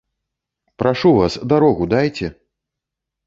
Прашу вас, дарогу дайце!